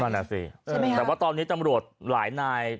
นั่นแหละสิใช่ไหมครับแต่ว่าตอนนี้ตำรวจหลายนาย